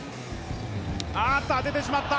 あーっと、ここは当ててしまった。